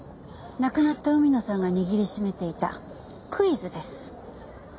亡くなった海野さんが握りしめていたクイズです。